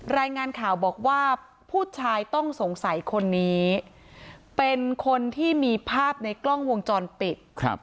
รายงานข่าวบอกว่าผู้ชายต้องสงสัยคนนี้เป็นคนที่มีภาพในกล้องวงจรปิด